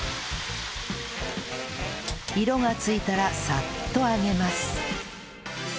色が付いたらサッと上げます